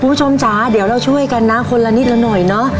จ๋าเดี๋ยวเราช่วยกันนะคนละนิดละหน่อยเนอะ